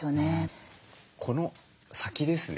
この先ですね